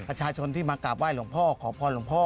ประชาชนที่มากราบไห้หลวงพ่อขอพรหลวงพ่อ